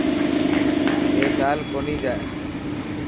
اي سال ڪونهي جائي.